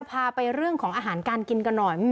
พาไปเรื่องของอาหารการกินกันหน่อย